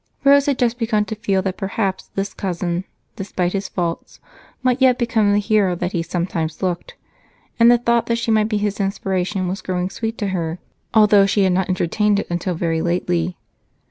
Rose had just begun to feel that perhaps this cousin, despite his faults, might yet become the hero that he sometimes looked, and the thought that she might be his inspiration was growing sweet to her, although she had not entertained it until very lately.